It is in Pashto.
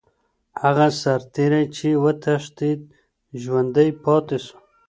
هغه سرتیری چي وتښتید ژوندی پاتې سو.